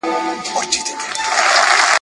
بیا به بهار وي جهان به ګل وي !.